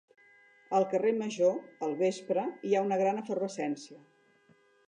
Al carrer major, al vespre, hi ha una gran efervescència.